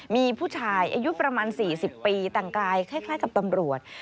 มีผู้ชายอายุประมาณ๔๐ปีแต่งกายคล้ายกับตำรวจ